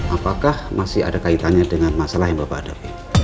apakah masih ada kaitannya dengan masalah yang bapak hadapi